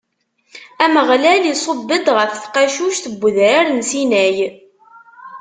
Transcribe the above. Ameɣlal iṣubb-d ɣef tqacuct n udrar n Sinay.